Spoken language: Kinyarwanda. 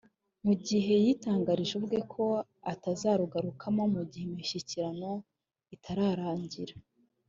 mu gihe yitangarije ubwe ko atazarugarukamo mu gihe imishyikirano itararangira